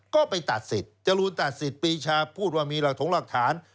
ก็ไปตัดสิทธิ์จรูนตัดสิทธิ์ปีชาพูดว่ามีหลักถงหลักฐาน